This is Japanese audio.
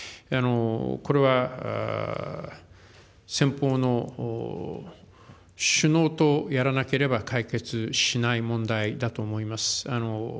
これは先方の首脳とやらなければ解決しない問題だと思います。